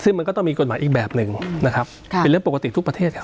ซึ่งมันก็ต้องมีกฎหมายอีกแบบหนึ่งนะครับค่ะเป็นเรื่องปกติทุกประเทศครับ